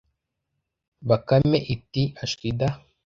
Bakame iti: "Ashwi da"